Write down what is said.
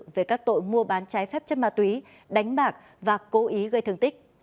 về các tội mua bán trái phép chất ma túy đánh bạc và cố ý gây thương tích